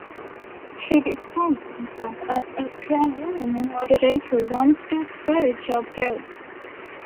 He describes himself as a pro-union moderate who wants to spur job growth.